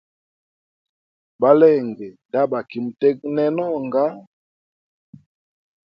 Balenge ndabaki mutegnena onga.